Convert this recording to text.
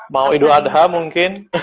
mau idul adha mungkin